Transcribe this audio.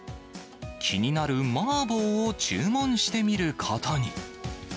気になるマーボーを注文してみることに。